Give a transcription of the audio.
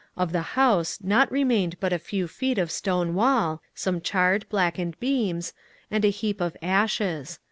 Of the house naught remained but a few feet of stone wall, some charred, blackened beams, and a heap of ashes.